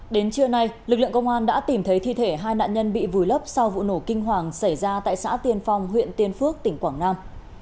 đến trưa nay lực lượng công an đã tìm thấy thi thể hai nạn nhân bị vùi lấp sau vụ nổ kinh hoàng xảy ra tại xã tiên phong huyện tiên phước tỉnh quảng nam